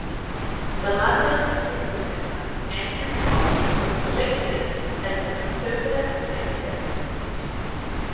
The London Assembly member Andrew Boff was selected as the Conservative candidate.